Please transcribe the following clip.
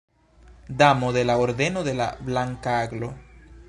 Damo de la Ordeno de la Blanka Aglo.